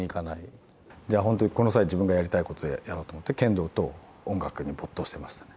じゃあ本当にこの際自分がやりたいことをやろうと思って剣道と音楽に没頭していましたね。